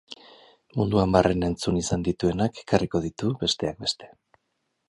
Munduan barrena entzun izan dituenak ekarriko ditu besteak beste.